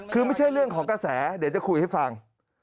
คือไม่ใช่เรื่องของกระแสเดี๋ยวจะคุยให้ฟัง